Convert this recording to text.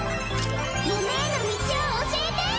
夢への道を教えて！